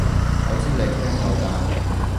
我知你聽到㗎